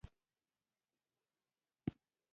ایا زه انار خوړلی شم؟